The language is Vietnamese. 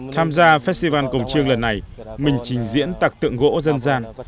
tham gia festival cổng chiêng lần này mình trình diễn tặc tượng gỗ dân gian